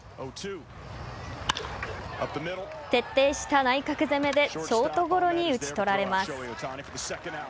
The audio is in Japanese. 徹底した内角攻めでショートゴロに打ち取られます。